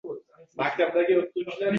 Uni sezgan vaqtingiz bo‘lganmi?